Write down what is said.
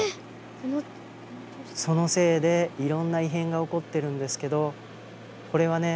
そのせいでいろんな異変が起こってるんですけどこれはね